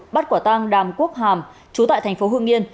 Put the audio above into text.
bắt quả tang đàm quốc hàm chú tại thành phố hương yên